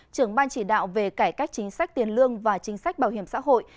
trưởng ban chỉ đạo về cải cách chính sách tiền lương và chính sách bảo hiểm xã hội